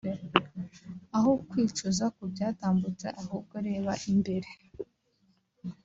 Aho kwicuza ku byatambutse ahubwo reba imbere